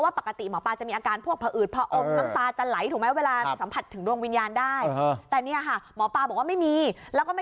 ว่าเกิดอะไรขึ้นเดี๋ยวฟังเสียงหมอนสงสมัยหน่อยค่ะ